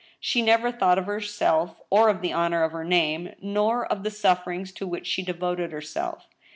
She never thought of herself or of the honor of her name, nor of the sufferings to which she devoted herself